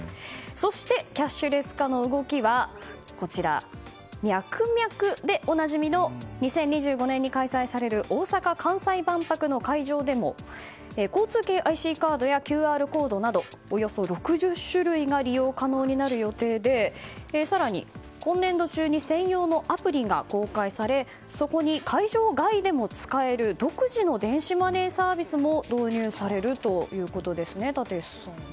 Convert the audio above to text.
そしてキャッシュレス化の動きはミャクミャクでおなじみの２０２５年に開催される大阪・関西万博の会場でも交通系ＩＣカードやＱＲコードなどおよそ６０種類が利用可能になる予定で更に、今年度中に専用のアプリが公開されそこに会場外でも使える独自の電子マネーサービスも導入されるということですね。